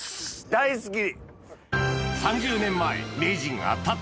大好き！